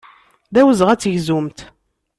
D awezɣi ad tegzumt.